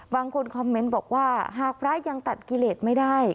บางคนคอมเมนต์บอกว่าหากพระยังตัดกิเลสไม่ได้